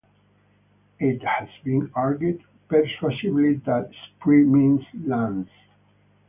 It has been argued persuasively that 'spri' means 'lance'.